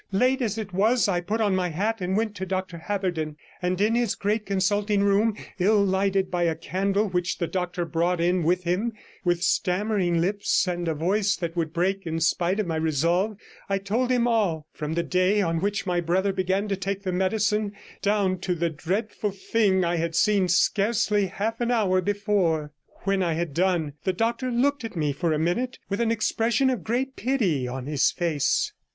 Late as it was, I put on my hat and went to Dr Haberden, and in his great consulting room, ill lighted by a candle which the doctor brought in with him, with stammering lips, and a voice that would break in spite of my resolve, I told him all, from the day on which my brother began to take the medicine down to the dreadful thing I had seen scarcely half an hour before. When I had done, the doctor looked at me for a minute with an expression of great pity on his face.